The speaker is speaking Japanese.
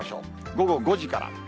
午後５時から。